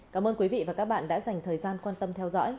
cảm ơn quý vị và các bạn đã dành thời gian quan tâm theo dõi